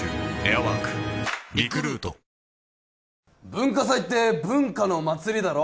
文化祭って文化の祭りだろ？